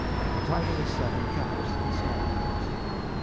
The title is set in caps and small caps.